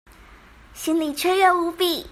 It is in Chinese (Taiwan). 心裡雀躍無比